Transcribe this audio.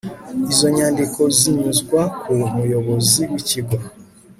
izo nyandiko zinyuzwa ku muyobozi w'ikigo